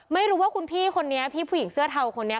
ไม่รู้ว่าคุณพี่คนนี้พี่ผู้หญิงเสื้อเทาคนนี้